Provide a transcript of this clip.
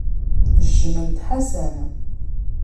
Jjment Ḥasan.